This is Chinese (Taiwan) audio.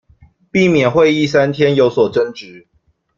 避免會議三天有所爭執